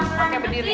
sekarang mau berdiri